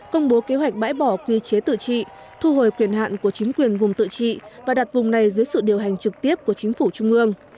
công bố kế hoạch bãi bỏ quy chế tự trị thu hồi quyền hạn của chính quyền vùng tự trị và đặt vùng này dưới sự điều hành trực tiếp của chính phủ trung ương